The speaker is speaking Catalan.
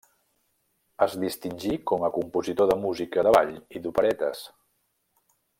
Es distingí com a compositor de música de ball i d'operetes.